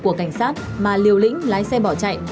của cảnh sát mà liều lĩnh lái xe bỏ chạy